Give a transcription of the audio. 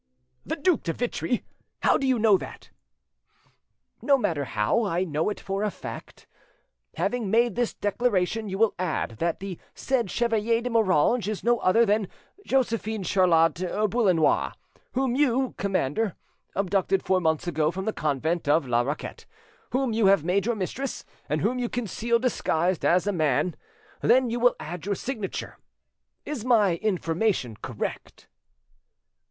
"The Duc de Vitry!—How do you know that?" "No matter how, I know it for a fact. Having made this declaration, you will add that the said Chevalier de Moranges is no other than Josephine Charlotte Boullenois, whom you, commander, abducted four months ago from the convent of La Raquette, whom you have made your mistress, and whom you conceal disguised as a man; then you will add your signature. Is my information correct?"